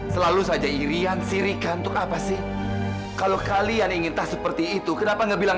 selalu saja irian sirikan tuh apa sih kalau kalian ingin tah seperti itu kenapa ngebilang